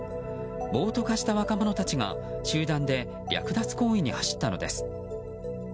暴徒化した若者たちが集団で略奪行為に走ったのです。